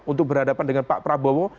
untuk berhadapan dengan pak prabowo